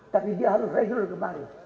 tapi dia harus reguler kembali